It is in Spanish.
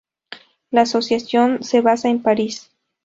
La asociación se basa en París.